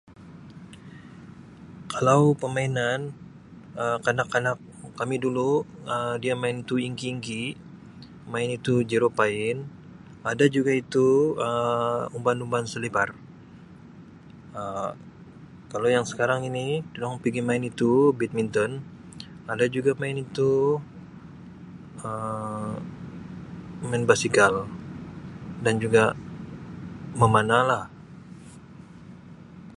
Kalau pemainan Um kanak-kanak kami dulu Um dia main tu ingki ingki main itu jurupain ada juga itu Um umban umban selipar Um kalau yang sekarang ini dorang pigi main itu badminton ada juga main itu Um main basikal dan juga memanah lah.